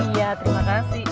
iya terima kasih